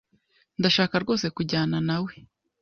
Ndashaka rwose kujyanawe nawe .